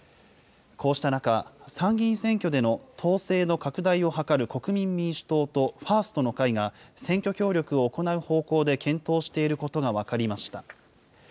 こうした中、参議院選挙での党勢の拡大を図る国民民主党とファーストの会が、選挙協力を行う方向で検討していることが分かりました。